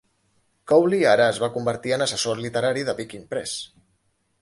Cowley ara es va convertir en assessor literari de Viking Press.